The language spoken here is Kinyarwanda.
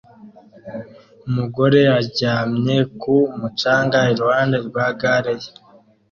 Umugore aryamye ku mucanga iruhande rwa gare ye